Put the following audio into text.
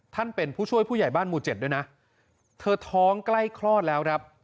ท่านเป็นผู้ช่วยผู้ใหญ่บ้านหมู่เจ็ดด้วยนะเธอท้องใกล้คลอดแล้วครับ